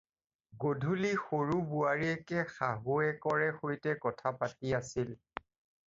গধূলি সৰু বোৱাৰীয়েকে শাহুয়েকৰে সৈতে কথা পাতি আছিল।